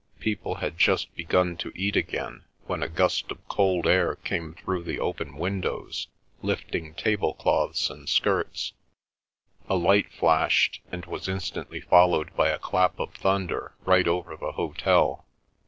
People had just begun to eat again, when a gust of cold air came through the open windows, lifting tablecloths and skirts, a light flashed, and was instantly followed by a clap of thunder right over the hotel.